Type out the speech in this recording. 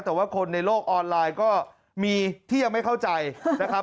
แต่ว่าคนในโลกออนไลน์ก็มีที่ยังไม่เข้าใจนะครับ